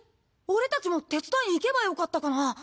俺たちも手伝いに行けばよかったかな？